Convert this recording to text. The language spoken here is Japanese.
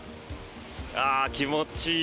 気持ちいい。